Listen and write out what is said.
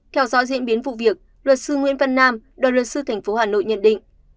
theo dõi diễn biến vụ việc luật sư nguyễn văn nam đoàn luật sư tp hà nội nhận định